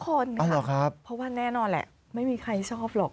ทุกคนนะครับเพราะว่าแน่นอนแหละไม่มีใครชอบหรอก